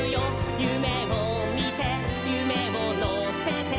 「ゆめをみてゆめをのせて」